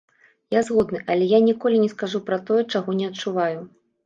Я згодны, але я ніколі не скажу пра тое, чаго не адчуваю.